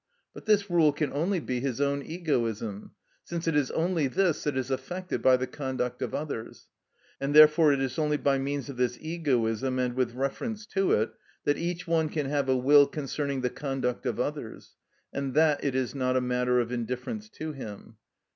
But this rule can only be his own egoism, since it is only this that is affected by the conduct of others; and therefore it is only by means of this egoism, and with reference to it, that each one can have a will concerning the conduct of others, and that it is not a matter of indifference to him.